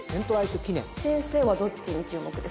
先生はどっちに注目ですか？